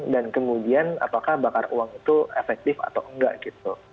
dan kemudian apakah bakar uang itu efektif atau enggak gitu